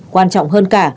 quan trọng hơn cả